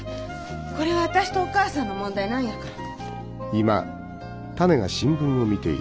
これは私とお義母さんの問題なんやから。